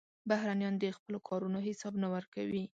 بهرنیان د خپلو کارونو حساب نه ورکوي.